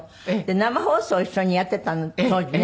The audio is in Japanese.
生放送を一緒にやってたの当時ね。